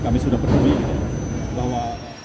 kami sudah percaya bahwa